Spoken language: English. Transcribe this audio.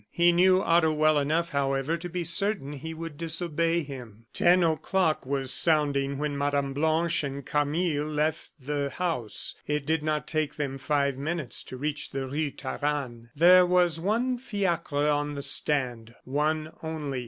He knew Otto well enough, however, to be certain he would disobey him. Ten o'clock was sounding when Mme. Blanche and Camille left the house, and it did not take them five minutes to reach the Rue Taranne. There was one fiacre on the stand one only.